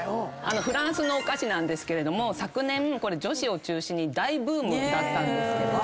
フランスのお菓子なんですけれども昨年これ女子を中心に大ブームだったんですけれど。